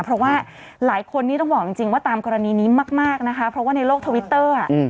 เพราะว่าหลายคนนี้ต้องบอกจริงว่าตามกรณีนี้มากนะคะเพราะว่าในโลกทวิตเตอร์